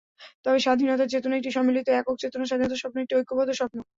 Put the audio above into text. তবে স্বাধীনতার চেতনা একটি সম্মিলিত একক চেতনা, স্বাধীনতার স্বপ্ন একটি ঐক্যবদ্ধ স্বপ্ন।